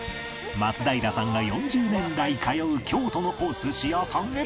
松平さんが４０年来通う京都のお寿司屋さんへ！